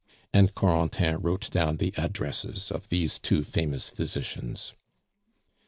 And Corentin wrote down the addresses of these two famous physicians.